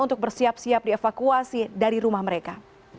untuk bersiap siap dievakuasi dari rumah mereka